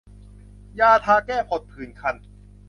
ยาทาแก้ผดผื่นคัน